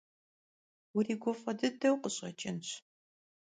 Vuriguf'e dıdeu khış'eç'ınş.